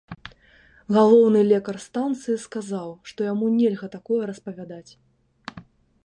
Галоўны лекар станцыі сказаў, што яму нельга такое распавядаць.